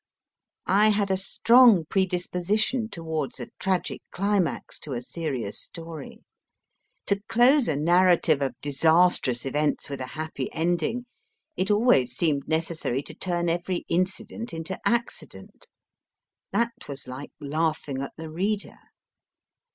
I had a strong predisposition towards a tragic climax to a serious story. To close a narrative of disastrous events with a happy ending it always seemed necessary to turn every incident into accident. That was like laughing at the reader.